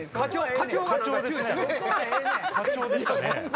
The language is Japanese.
課長でしたね。